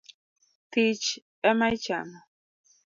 Thich ema ichamo